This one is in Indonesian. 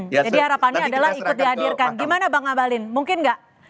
jadi harapannya adalah ikut dihadirkan gimana bang abalin mungkin nggak